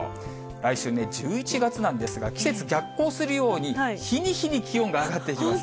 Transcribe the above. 来週ね、１１月なんですが、季節、逆行するように、日に日に気温が上がっていきます。